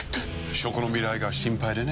食の未来が心配でね。